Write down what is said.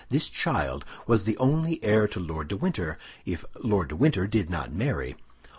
This child was the only heir to Lord de Winter, if Lord de Winter did not marry.